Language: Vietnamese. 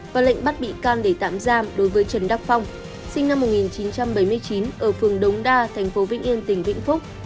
và lệnh bắt bị can để tạm giam đối với trần đắc phong sinh năm một nghìn chín trăm bảy mươi chín ở phường đống đa thành phố vĩnh yên tỉnh vĩnh phúc